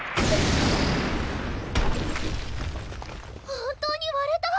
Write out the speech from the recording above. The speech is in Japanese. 本当にわれた！